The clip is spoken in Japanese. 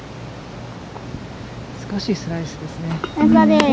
難しいスライスですね。